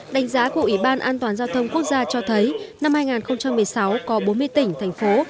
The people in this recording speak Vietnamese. đánh giá của ủy ban an toàn giao thông quốc gia cho thấy năm hai nghìn một mươi sáu có bốn mươi tỉnh thành phố